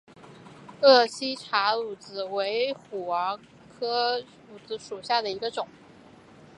鄂西茶藨子为虎耳草科茶藨子属下的一个种。